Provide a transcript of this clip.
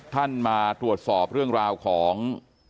มาตรวจสอบเรื่องราวของ